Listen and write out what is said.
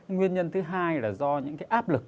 nguyên nhân thứ hai là do những áp lực